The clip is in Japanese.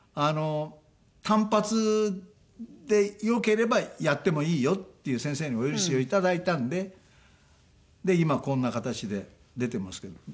「単発でよければやってもいいよ」っていう先生にお許しをいただいたんで今こんな形で出てますけども。